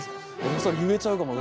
それ言えちゃうかも。